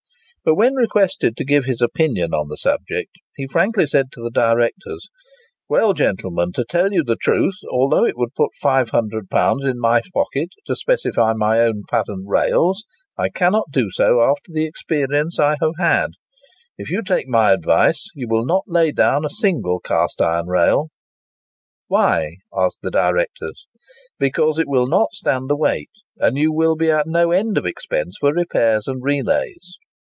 But when requested to give his opinion on the subject, he frankly said to the directors, "Well, gentlemen, to tell you the truth, although it would put £500 in my pocket to specify my own patent rails, I cannot do so after the experience I have had. If you take my advice, you will not lay down a single cast iron rail." "Why?" asked the directors. "Because they will not stand the weight, and you will be at no end of expense for repairs and relays."